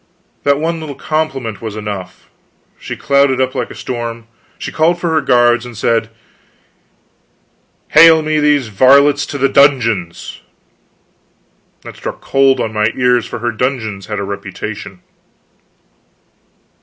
That one little compliment was enough. She clouded up like storm; she called for her guards, and said: "Hale me these varlets to the dungeons." That struck cold on my ears, for her dungeons had a reputation.